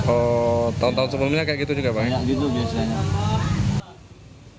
oh tahun tahun sebelumnya kayak gitu juga pak